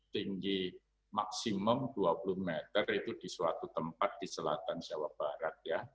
tinggi maksimum dua puluh meter itu di suatu tempat di selatan jawa barat ya